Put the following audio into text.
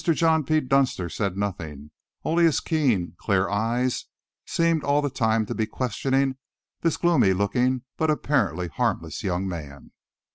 John P. Dunster said nothing, only his keen, clear eyes seemed all the time to be questioning this gloomy looking but apparently harmless young man.